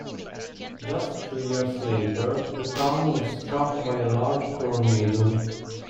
Just two years later the town was struck by a large tornado.